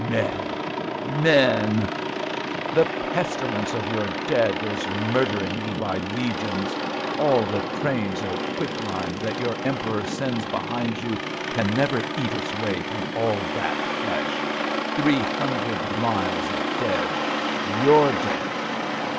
Men ! Men ! The pestilence of your dead Is murdering you by legions. All the trains Of quicklime that your Emperor sends behind you Can never eat its way through all that flesh — Three hundred miles of dead ! Your dead